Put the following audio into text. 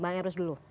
bang herus dulu